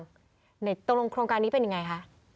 ตรงการคล้องการนี้เป็นยังไงครับ